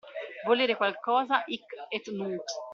Volere qualcosa "hic et nunc".